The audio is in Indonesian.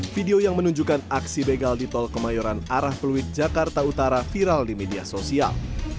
video yang menunjukkan aksi begal di tol kemayoran arah fluid jakarta utara viral di media sosial